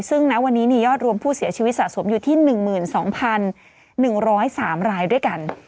ซึ่งณวันนี้มียอดรวมผู้เสียชีวิตสะสมอยู่ที่๑๒๑๐๓รายด้วยกัน